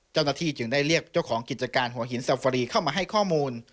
เจ้าหน้าที่จึงได้เรียกเจ้าของกิจการหัวหินซาฟารีเข้ามาให้ข้อมูล